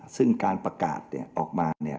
ซึ่งการประกาศออกมา